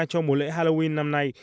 cho mùa lễ halloween năm nay